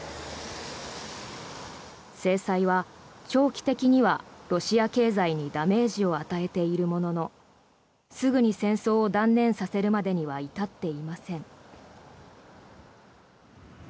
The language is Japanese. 制裁は長期的にはロシア経済にダメージを与えているもののすぐに戦争を断念させるまでには至っていません。